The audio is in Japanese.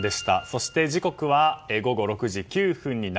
そして時刻は午後６時９分です。